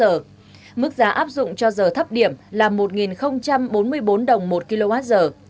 giá bán lẻ điện cho cấp điện áp cho giờ thấp điểm là một bốn mươi bốn đồng một kwh